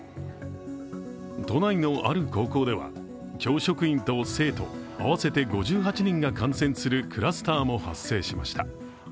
都内のある高校では、教職員と生徒合わせて５８人が感染するクラスターも発生しました。